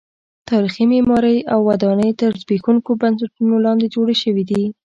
تاریخي معمارۍ او ودانۍ تر زبېښونکو بنسټونو لاندې جوړې شوې دي.